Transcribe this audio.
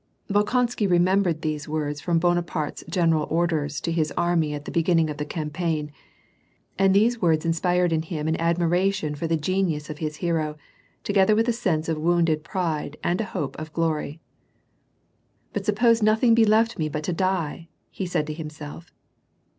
* Bolkonsky remembered these words from Bonapai te's gen eral orders to his army at the beginning of the campaign, and these words inspired in him an admiration for the genius of his hero, together with a sense of wounded pride and a hope of glory. " But suppose nothing be left me but to die ?" he said to himself.